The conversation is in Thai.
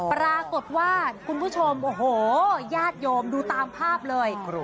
ปรากฏว่าคุณผู้ชมโอ้โหญาติโยมดูตามภาพเลย